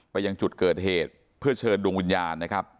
ยังจุดเกิดเหตุเพื่อเชิญดวงวิญญาณนะครับ